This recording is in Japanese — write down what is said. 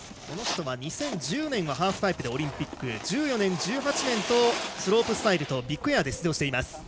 この人は２０１０年はハーフパイプでオリンピック１４年、１８年とスロープスタイルとビッグエアで出場しています。